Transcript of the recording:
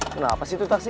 kenapa sih itu taksi